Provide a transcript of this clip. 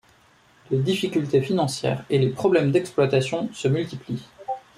Les difficultés financières et les problèmes d'exploitation se multiplient.